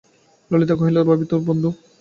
ললিতা কহিল, ভারি তো তোর বন্ধু!